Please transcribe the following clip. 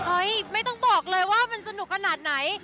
ไม่ต้องบอกเลยว่ามันสนุกขนาดไหน